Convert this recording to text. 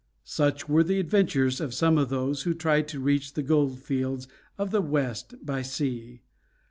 Such were the adventures of some of those who tried to reach the gold fields of the West by sea.